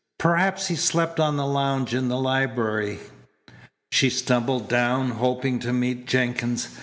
Perhaps he slept on the lounge in the library. She stumbled down, hoping to meet Jenkins.